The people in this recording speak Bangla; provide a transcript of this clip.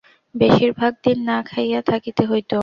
বেশীর ভাগ দিন না খাইয়া থাকিতে হইত।